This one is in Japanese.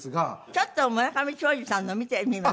ちょっと村上ショージさんの見てみます？